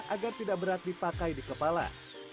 agar tidak berat dipakai di kepala